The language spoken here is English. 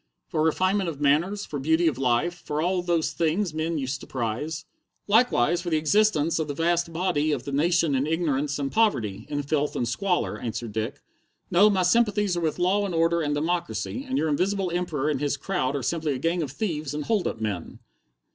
For refinement of manners, for beauty of life, for all those things men used to prize." "Likewise for the existence of the vast body of the nation in ignorance and poverty, in filth and squalor," answered Dick. "No, my sympathies are with law and order and democracy, and your Invisible Emperor and his crowd are simply a gang of thieves and hold up men."